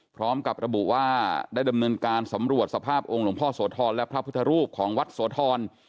พร้อมกับระบุว่าได้ดำเนินการสำรวจสภาพองค์หลวงพ่อโสธรและพระพุทธรูปของวัดโสธร